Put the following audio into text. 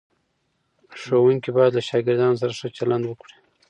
ښوونکي باید له شاګردانو سره ښه چلند وکړي.